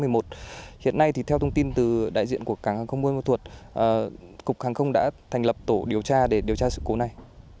hiện nay theo thông tin từ đại diện của cảng hàng công bôn mạc thuộc cục hàng công đã thành lập tổ điều tra để điều tra sự cố này